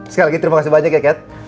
sekali lagi terima kasih banyak ya cat